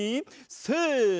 せの！